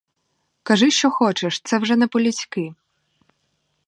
Кажи що хочеш, — це вже не по-людськи.